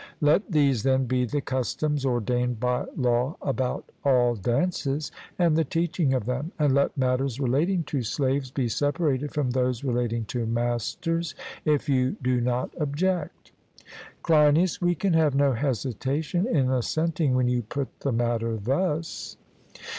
Let these, then, be the customs ordained by law about all dances and the teaching of them, and let matters relating to slaves be separated from those relating to masters, if you do not object. CLEINIAS: We can have no hesitation in assenting when you put the matter thus.